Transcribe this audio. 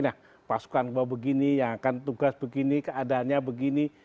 nah pasukan bahwa begini yang akan tugas begini keadaannya begini